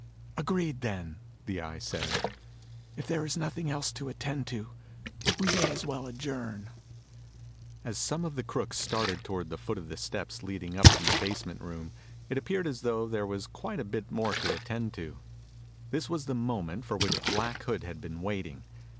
"Agreed, then," the Eye said. "If there is nothing else to attend to, we may as well adjourn." As some of the crooks started toward the foot of the steps leading up from the basement room, it appeared as though there was quite a bit more to attend to. This was the moment for which Black Hood had been waiting.